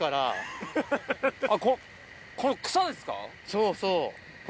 そうそう。